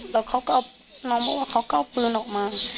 แล้วเขาก็น้องบอกว่าเขาก็เอาปืนออกมา